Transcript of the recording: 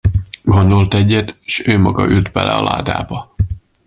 Gondolt egyet, s ő maga ült bele a ládába.